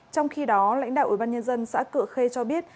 trong khi đó lãnh đạo ủy ban nhân dân xã cựa khê cho biết